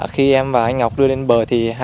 khi em và anh ngọc đưa lên bờ thì